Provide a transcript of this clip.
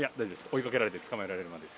追い掛けられて捕まえられるまで。